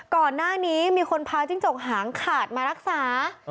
ก่อนหน้านี้มีคนพาจิ้งจกหางขาดมารักษา